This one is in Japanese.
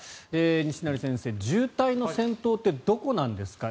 西成先生、渋滞の先頭ってどこなんですか。